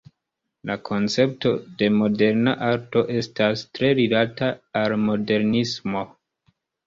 La koncepto de moderna arto estas tre rilata al modernismo.